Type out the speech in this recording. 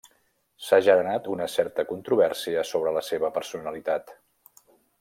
S'ha generat una certa controvèrsia sobre la seva personalitat.